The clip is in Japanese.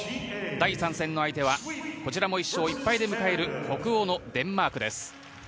第３戦の相手はこちらも１勝１敗で迎える北欧のデンマークです。